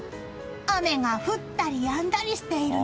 雨が降ったりやんだりしているね。